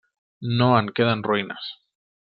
No en queden ruïnes.